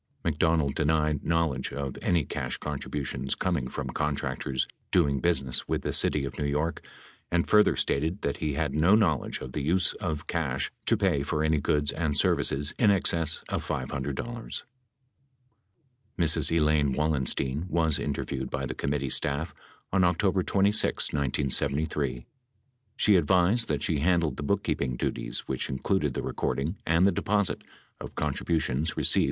McDonald denied knowledge of any 562 cash contributions coming from contractors doing business with the city of New York and further stated that he had no knowledge of the use of cash to pay for any goods and services in excess of $500. Mrs. Elaine Wallenstein was interviewed by the committee staff on October 26, 1973. She advised that she handled the bookkeeping duties which included the recording and the deposit of contributions received